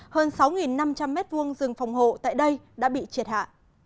hơn sáu năm trăm linh m hai rừng phòng hộ tại đây đã bị triệt hạ